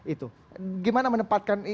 itu gimana menempatkan